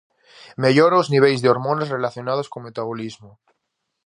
Mellora os niveis de hormonas relacionadas co metabolismo.